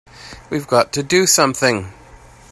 We've got to do something!